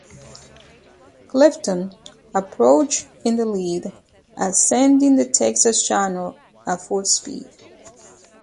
"Clifton" approached in the lead, ascending the Texas channel at full speed.